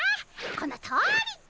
このとおり！